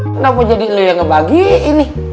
kenapa jadi lo yang ngebagiin nih